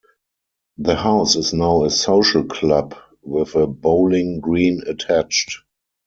The house is now a social club with a bowling green attached.